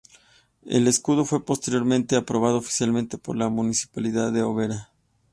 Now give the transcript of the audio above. El escudo fue posteriormente aprobado oficialmente por la Municipalidad de Oberá.